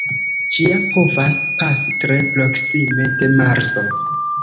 Ĝia povas pasi tre proksime de Marso.